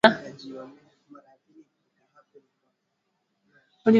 Msongo wa mawazo au mafadhaiko